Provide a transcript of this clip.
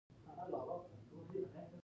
اته شپیتم سوال د مسؤلیت په اړه دی.